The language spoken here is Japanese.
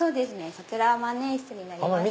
そちらは万年筆になりまして。